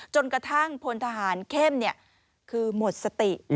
จนกระทั่งพลทหารเข้มคือหมดสติ